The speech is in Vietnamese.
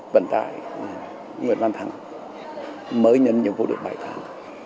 vẫn tại một mươi năm tháng mới nhận nhiệm vụ được bảy tháng